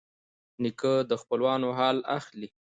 نیکه د خپلوانو حال اخلي.